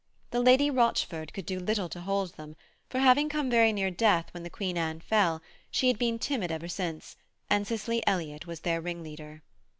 The Lady Rochford could do little to hold them, for, having come very near death when the Queen Anne fell, she had been timid ever since, and Cicely Elliott was their ringleader.